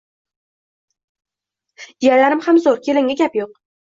Jiyanlarim ham zoʻr, kelinga gap yoʻq.